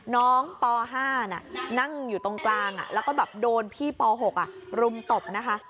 ป๕นั่งอยู่ตรงกลางแล้วก็แบบโดนพี่ป๖รุมตบนะคะ